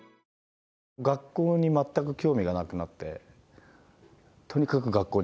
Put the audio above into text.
学校に全く興味がなくなってとにかく学校に行かない。